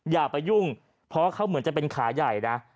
อย่าไปยุ่งเพราะเขาเหมือนจะเป็นขาใหญ่นะ